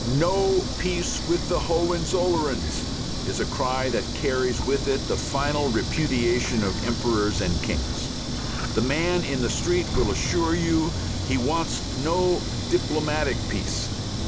"No peace with the Hohenzollerns" is a cry that carries with it the final repudiation of emperors and kings. The man in the street will assure you he wants no diplomatic peace.